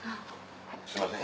すいません。